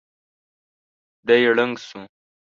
دی ړنګ شو.